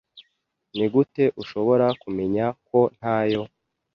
Nigute ushobora kumenya ko ntayo?